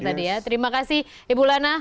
terima kasih ibu lana